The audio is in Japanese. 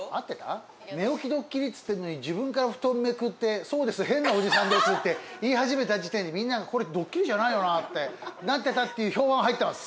寝起きドッキリっつってんのに自分から布団めくって「そうです変なおじさんです」って言い始めた時点でみんながこれドッキリじゃないよなぁってなってたっていう票は入ってます。